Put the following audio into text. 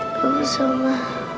gak usah ma